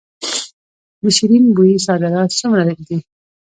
د شیرین بویې صادرات څومره دي؟